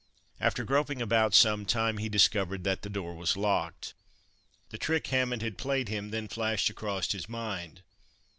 After groping about some time, he discovered that the door was locked. The trick Hammond had played him then flashed across his mind.